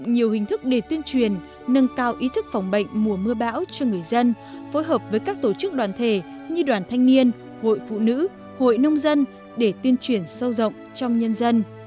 nhiều hình thức để tuyên truyền nâng cao ý thức phòng bệnh mùa mưa bão cho người dân phối hợp với các tổ chức đoàn thể như đoàn thanh niên hội phụ nữ hội nông dân để tuyên truyền sâu rộng trong nhân dân